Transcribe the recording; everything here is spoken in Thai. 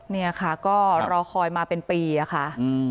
เนี่ยค่ะก็รอคอยมาเป็นปีอะค่ะ